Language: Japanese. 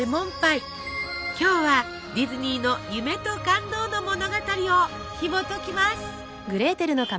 今日はディズニーの夢と感動の物語をひもときます。